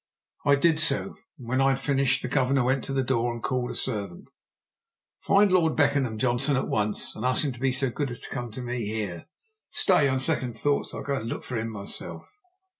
I did so, and, when I had finished, the Governor went to the door and called a servant. "Find Lord Beckenham, Johnson, at once, and ask him to be so good as to come to me here. Stay on second thoughts I'll go and look for him myself."